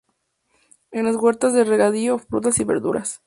En las huertas de regadío: frutas y verduras.